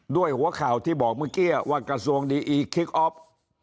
ด้วยหัวข่าวที่บอกเมื่อกี้ว่ากระทรวงดีอีคิกออฟ